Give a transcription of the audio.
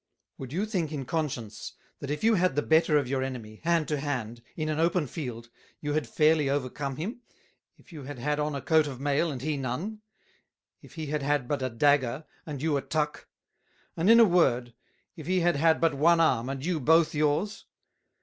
"Would you think in Conscience, that if you had the better of your Enemy, Hand to Hand, in an open Field, you had fairly overcome him, if you had had on a Coat of Mail, and he none; if he had had but a Dagger, and you a Tuck; and in a Word, if he had had but one Arm, and you both yours?